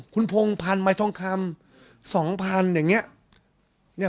ครุนโพง๑๐๐๐มาทรงคัม๒๐๐๐อย่างนี้